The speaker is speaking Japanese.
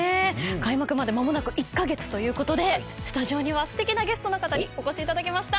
開幕まで間もなく１カ月ということでスタジオにはすてきなゲストの方にお越しいただきました。